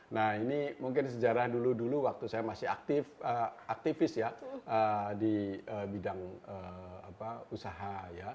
nah ini mungkin sejarah dulu dulu waktu saya masih aktif aktivis ya di bidang usaha ya